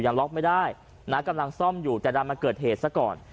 ล็อกไม่ได้นะกำลังซ่อมอยู่แต่ดันมาเกิดเหตุซะก่อน